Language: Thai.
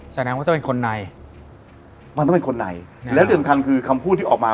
แสดงว่าต้องเป็นคนในมันต้องเป็นคนในแล้วที่สำคัญคือคำพูดที่ออกมา